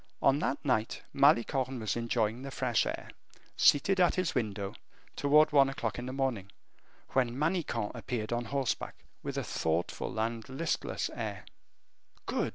On that night Malicorne was enjoying the fresh air, seated at his window, toward one o'clock in the morning, when Manicamp appeared on horseback, with a thoughtful and listless air. "Good!"